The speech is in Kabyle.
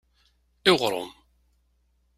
I uɣrum?